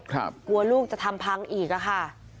กลัวลูกจะทำพังอีกอะค่ะ